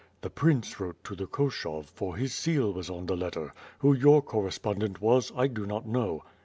"The prince wrote to the Koshov, for his seal was on the letter. Who your correspondent was, I do not know."